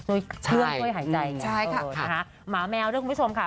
ใช่ใช่ค่ะใช่ค่ะค่ะหมาแมวด้วยคุณผู้ชมค่ะ